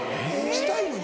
したいのに？